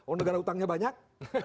oh negara utangnya banyak